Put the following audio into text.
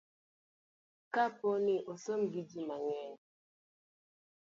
ka po ni osom gi ji mang'eny